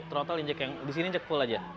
total injek yang di sini injek full aja